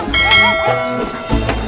oh jangan jangan jangan